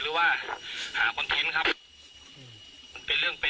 หรือว่าจะมาถ่ายคลิปอะไร